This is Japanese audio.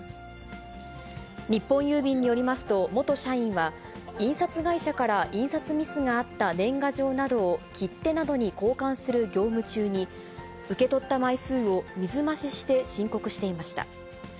日本郵便によりますと、元社員は、印刷会社から印刷ミスがあった年賀状などを切手などに交換する業務中に、受け取った枚数を水増しして申告していました。